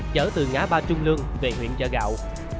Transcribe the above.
chở từ ngã ba trung lương về huyện chợ gạo